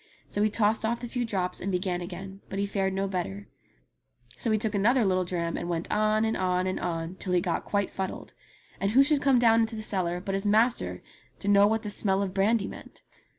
So he tossed off the few drops THE THREE FEATHERS 69 and began again ; but he fared no better. So he took an other httle dram, and went on, and on, and on, till he got quite fuddled. And who should come down into the cellar but his master to know what the smell of brandy meant